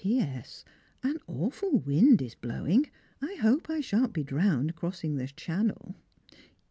P.S. An awful wind is blowing. I hope I shan't be drowned crossing the Channel.